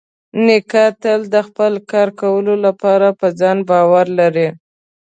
نیکه تل د خپل کار کولو لپاره په ځان باور لري.